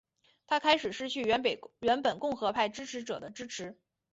他开始失去原本共和派支持者的支持。